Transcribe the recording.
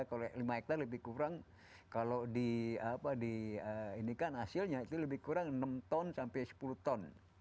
kalau lima hektare lebih kurang kalau di ini kan hasilnya itu lebih kurang enam ton sampai sepuluh ton